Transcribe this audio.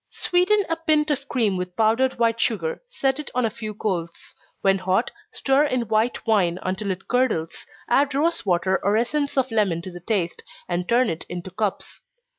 _ Sweeten a pint of cream with powdered white sugar set it on a few coals. When hot, stir in white wine until it curdles add rosewater or essence of lemon to the taste, and turn it into cups.